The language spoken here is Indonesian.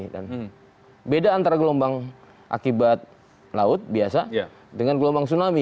dan beda antara gelombang akibat laut biasa dengan gelombang tsunami